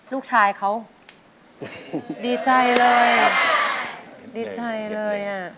ลูกชายเขาดีใจเลยดีใจเลยอ่ะ